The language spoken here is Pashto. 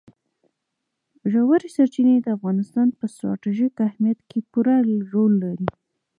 ژورې سرچینې د افغانستان په ستراتیژیک اهمیت کې پوره رول لري.